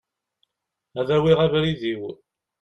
Ad awiɣ abrid-iw.